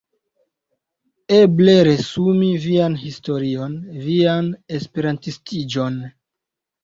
Eble resumi vian historion, vian esperantistiĝon.